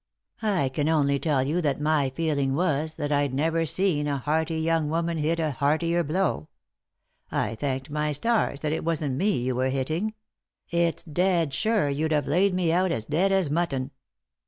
I can only tell you that my feeling was that I'd never seen a hearty young woman hit a heartier blow. I thanked my stars that it wasn't me you were hitting ; it's dead sure you'd have laid me out as dead as mutton."